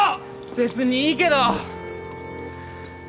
別にいいけど！